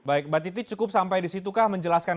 baik mbak titi cukup sampai di situ kah menjelaskan